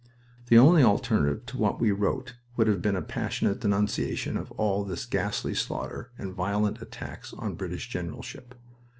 The only alternative to what we wrote would have been a passionate denunciation of all this ghastly slaughter and violent attacks on British generalship.